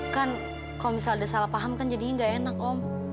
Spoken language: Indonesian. kan kalau misalnya ada salah paham kan jadinya nggak enak om